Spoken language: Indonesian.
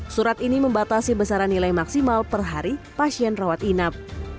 surat ini membatasi besaran nilai maksimal per hari pasien rawat inap